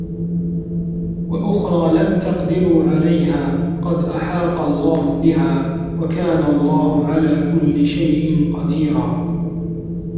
وَأُخرى لَم تَقدِروا عَلَيها قَد أَحاطَ اللَّهُ بِها وَكانَ اللَّهُ عَلى كُلِّ شَيءٍ قَديرًا